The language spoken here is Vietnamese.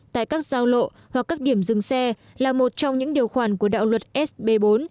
tại các giao lộ hoặc các điểm dừng xe là một trong những điều khoản của đạo luật sb bốn